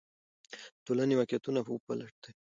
د ټولنې واقعیتونه وپلټئ.